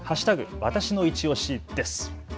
わたしのいちオシです。